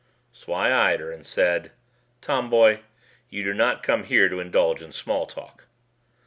So I eyed her and said, "Tomboy, you did not come here to indulge in small talk."